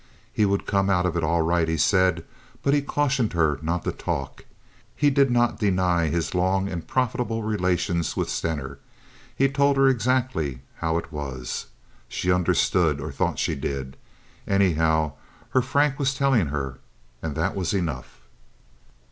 He would come out of it all right, he said, but he cautioned her not to talk. He did not deny his long and profitable relations with Stener. He told her exactly how it was. She understood, or thought she did. Anyhow, her Frank was telling her, and that was enough.